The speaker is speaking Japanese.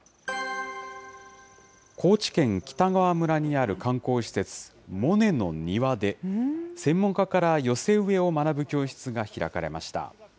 高知県北川村にある観光施設、モネの庭で、専門家から寄せ植えを学ぶ教室が開かれました。